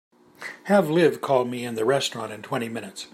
Have Liv call me in the restaurant in twenty minutes.